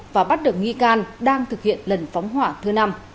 và bắt được nghi can đang thực hiện lần phóng hỏa thứ năm